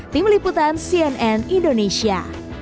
tim liputan cnn indonesia